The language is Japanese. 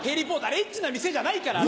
あれエッチな店じゃないから。